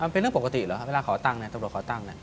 เป็นเรื่องปกติหรอเวลาขอตังค์